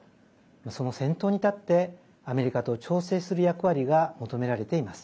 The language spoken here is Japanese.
その先頭に立って、アメリカと調整する役割が求められています。